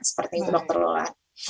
seperti itu dokter lola